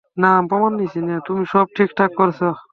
তুমি সব ঠিকঠাক করছ।